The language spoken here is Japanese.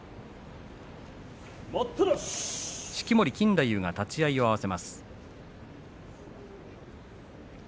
式守錦太夫が立ち合いを合わせます。